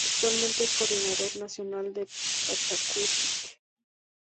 Actualmente es coordinador nacional de Pachakutik.